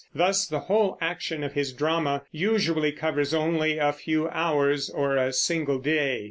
Thus the whole action of his drama usually covers only a few hours, or a single day.